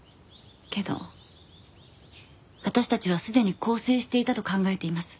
けど私たちはすでに更生していたと考えています。